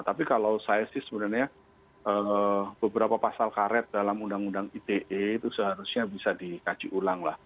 tapi kalau saya sih sebenarnya beberapa pasal karet dalam undang undang ite itu seharusnya bisa dikaji ulang lah